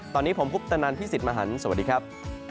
ตอนนี้ผมคุปตนันพี่สิทธิ์มหันฯสวัสดีครับ